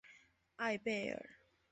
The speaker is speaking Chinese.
艾贝尔。